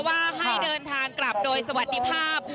ว่าให้เดินทางกลับโดยสวัสดีภาพ